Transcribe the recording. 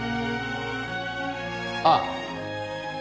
ああ！